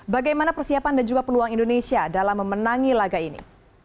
bagaimana persiapan dan juga peluang indonesia dalam memenangi laga ini